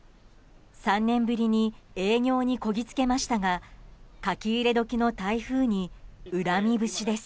３年ぶりに営業にこぎつけましたが書き入れ時の台風に恨み節です。